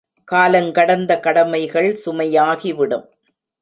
காலங்கடந்த கடமைகள் சுமையாகி விடும்.